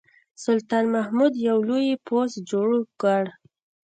سلطان محمود یو لوی پوځ جوړ کړ.